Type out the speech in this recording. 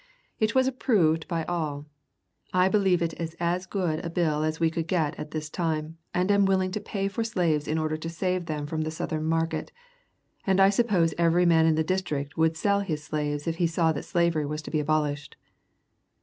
It was approved by all; I believe it as good a bill as we could get at this time, and am willing to pay for slaves in order to save them from the Southern market, as I suppose every man in the District would sell his slaves if he saw that slavery was to be abolished."